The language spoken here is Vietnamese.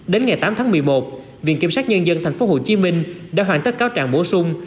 đến ngày tám tháng một mươi một viện kiểm sát nhân dân tp hcm đã hoàn tất cáo trạng bổ sung